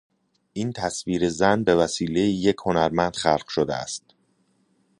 این تصویر زن بوسیله یک هنرمند خلق شده است.